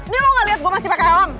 nih mau gak liat gue masih pakai alam